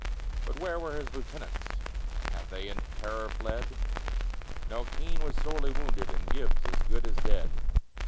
But where were his lieutenants? Had they in terror fled? No! Keane was sorely wounded And Gibbs as good as dead.